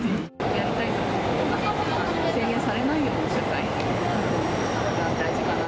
やりたいことが制限されないような社会が大事かな。